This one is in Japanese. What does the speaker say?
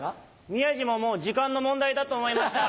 宮治ももう時間の問題だと思いました。